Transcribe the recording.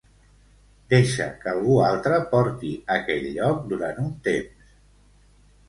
Deixa que algú altre porti aquell lloc durant un temps.